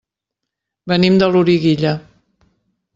Venim de Loriguilla.